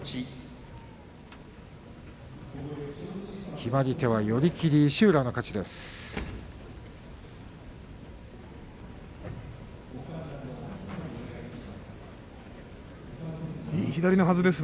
決まり手は寄り切りで石浦の勝ちです。